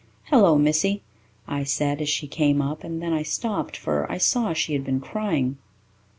"Hello, missy," I said, as she came up, and then I stopped, for I saw she had been crying.